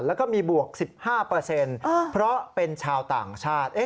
แล้วก็มีบวก๑๕เพราะเป็นชาวต่างชาติ